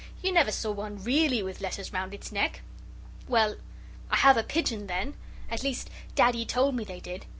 You never saw one really with letters round its neck." "Well, I have a pigeon, then; at least Daddy told me they did.